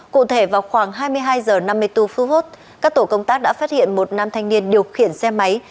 cụ thể vào khoảng hai mươi hai h năm mươi bốn phút các tổ công tác đã phát hiện một nam thanh niên điều khiển xe máy